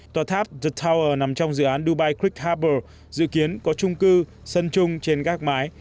tòa tháp the tower nằm trong dự án dubai creek harbor dự kiến có trung cư sân chung trên các mái